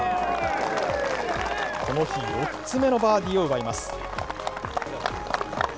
この日、４つ目のバーディーを奪います。